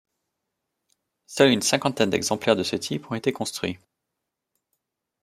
Seuls une cinquantaine d'exemplaires de ce type ont été construits.